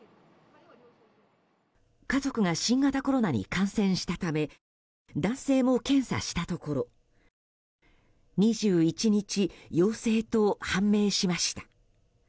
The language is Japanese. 家族が新型コロナに感染したため男性も検査したところ２１日、陽性と判明しました。